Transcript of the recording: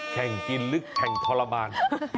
แข่งกินลึกแข่งทรมาน